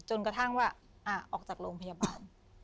จนกระทั่งว่าออกจากโรงพยาบาล